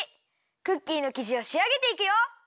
クッキーのきじをしあげていくよ！